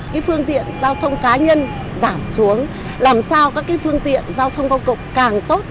cái phương tiện giao thông cá nhân giảm xuống làm sao các cái phương tiện giao thông công cộng càng tốt